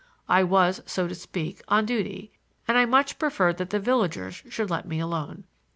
I was, so to speak, on duty, and I much preferred that the villagers should let me alone.